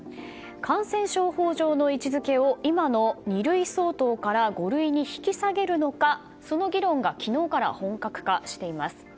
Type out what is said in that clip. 感染症法上の位置づけを今の二類相当から五類に引き下げるのかその議論が昨日から本格化しています。